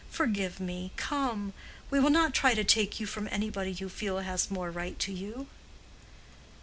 Forgive me, come! we will not try to take you from anybody you feel has more right to you."